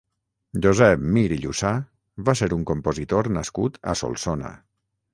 Josep Mir i Llussà va ser un compositor nascut a Solsona.